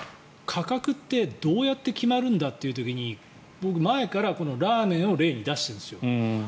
価格ってどうやって決まるんだという時に僕、前からラーメンを例に出してるんですよ。